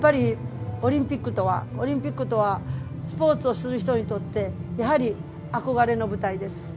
オリンピックとは、スポーツをする人にとって憧れの舞台です。